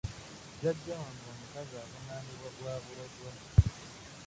Jjajja wange omukazi avunaanibwa gwa bulogo.